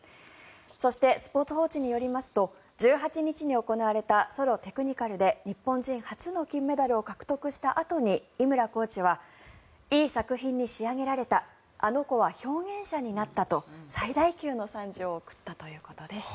そしてスポーツ報知によりますと１８日に行われたソロ・テクニカルで日本人初の金メダルを獲得したあとに井村コーチはいい作品に仕上げられたあの子は表現者になったと最大級の賛辞を贈ったということです。